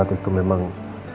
buat aku saat itu memang